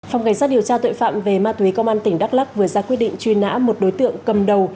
phòng cảnh sát điều tra tội phạm về ma túy công an tỉnh đắk lắc vừa ra quyết định truy nã một đối tượng cầm đầu